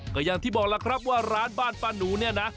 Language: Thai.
ก็อย่างที่บอกล่ะครับว่าร้านบ้านป้าหนูเนี่ยนะ